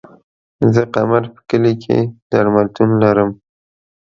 زه قمر په کلي کی درملتون لرم